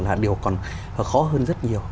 là điều còn khó hơn rất nhiều